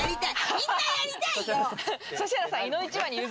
みんな、やりたいよ。